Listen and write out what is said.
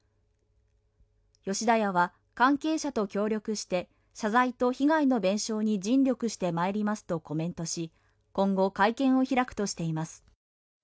吉田屋は関係者と協力して謝罪と被害の弁済に尽力してまいりますとコメントし、今後、会見を開くとしています。